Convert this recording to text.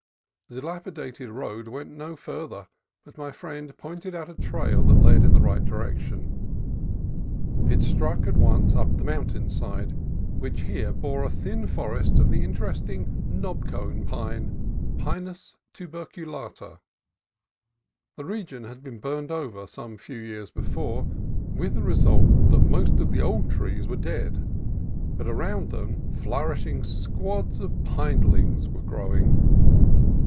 The dilapidated road went no farther, but my friend pointed out a trail that led in the right direction. It struck at once up the mountain side, which here bore a thin forest of the interesting knob cone pine {Pinus tuber culata). The region had been burned over some few years before, with the result that most of the old trees were dead, but around them flourish ing squads of pinelings were growing.